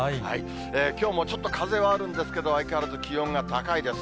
きょうもちょっと風はあるんですけど、相変わらず気温が高いです。